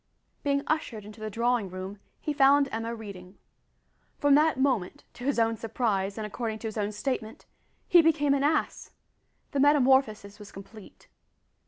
Being ushered into the drawing room he found Emma reading. From that moment to his own surprise, and according to his own statement he became an ass! The metamorphosis was complete.